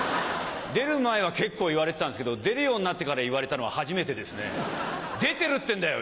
出る前は結構言われてたんですけど出るようになってから言われたのは初めてですね。出てるってんだよ！